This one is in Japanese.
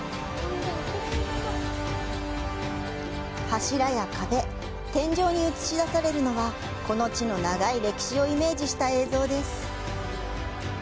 柱や壁、天井に映し出されるのはこの地の長い歴史をイメージした映像です。